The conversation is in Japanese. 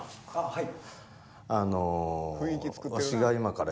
はい。